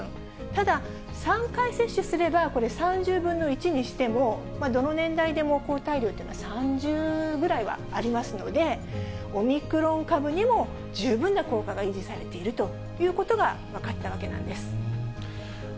ただ、３回接種すれば、これ、３０分の１にしても、どの年代でも抗体量というのは３０ぐらいはありますので、オミクロン株にも十分な効果が維持されているということが分かったわけなんです。